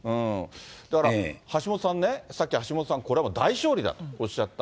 だから、橋下さんね、さっき橋下さん、これはもう大勝利だとおっしゃった。